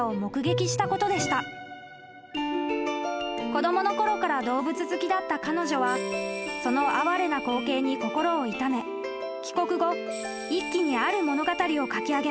［子供のころから動物好きだった彼女はその哀れな光景に心を痛め帰国後一気にある物語を書きあげます］